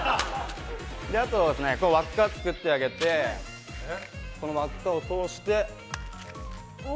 あと、輪っかを作ってあげてこの輪っかを通して。